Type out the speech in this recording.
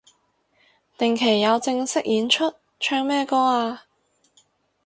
定期有正式演出？唱咩歌啊